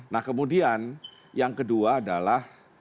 nah kemudian yang kedua adalah